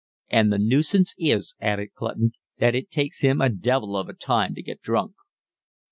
"And the nuisance is," added Clutton, "that it takes him a devil of a time to get drunk."